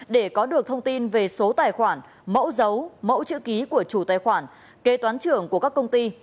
để có được thông tin về số tài khoản mẫu dấu mẫu chữ ký của chủ tài khoản kế toán trưởng của các công ty